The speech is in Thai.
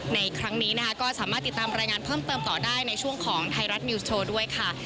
ในครั้งนี้นะคะก็สามารถติดตามรายงานเพิ่มเติมต่อได้ในช่วงของไทยรัฐนิวส์โชว์ด้วยค่ะ